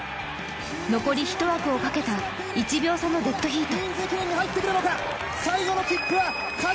残りひと枠をかけた１秒差のデッドヒート。